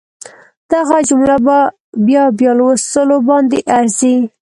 دغه جمله په بیا بیا لوستلو باندې ارزي